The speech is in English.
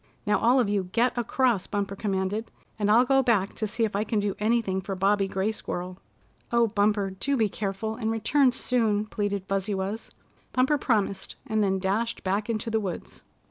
"Now all of you get across," Bumper commanded, "and I'll go back to see if I can do anything for Bobby Gray Squirrel." "Oh, Bumper, do be careful, and return soon," pleaded Fuzzy Wuzz. Bumper promised, and then dashed back into the woods.